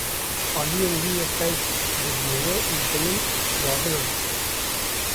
Aliyên wî yên qenc dijmêre û ji min gazinan dike.